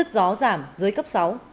gió giảm dưới cấp sáu